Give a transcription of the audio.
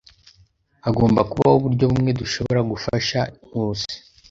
Hagomba kubaho uburyo bumwe dushobora gufasha Nkusi.